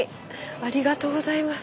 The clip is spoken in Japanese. ありがとうございます。